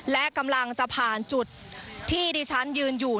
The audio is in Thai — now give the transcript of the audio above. และกำลังจะผ่านจุดที่ดิฉันยืนอยู่